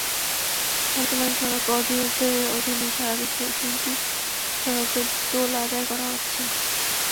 বর্তমানে সড়ক অধিদপ্তরের অধীনে সারা দেশে তিনটি সড়কে টোল আদায় করা হচ্ছে।